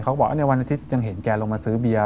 เขาบอกในวันอาทิตย์ยังเห็นแกลงมาซื้อเบียร์